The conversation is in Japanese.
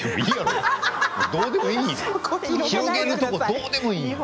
どうでもいいのよ。